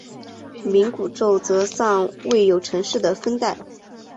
冥古宙则尚未有正式的分代。